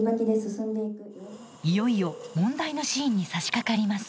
いよいよ問題のシーンにさしかかります。